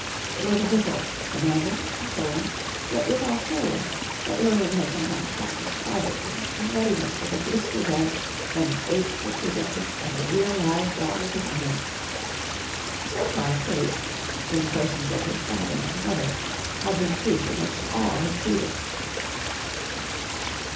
It was a whistle, commanding, controlling, yet withal careless, that William had sometimes practised privately in readiness for the blissful day when Fate should present him with a real live dog of his own. So far Fate, in the persons of his father and mother, had been proof against all his pleading.